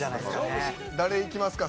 誰いきますか？